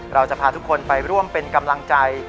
เราจะพาทุกคนไปร่วมเป็นกำลังใจ